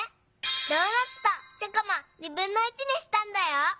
ドーナツとチョコもにしたんだよ。